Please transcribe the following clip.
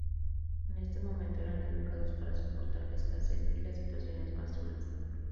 En ese momento eran educados para soportar la escasez y las situaciones más duras.